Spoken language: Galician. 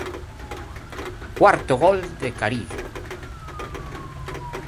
Cuarto gol de Carillo.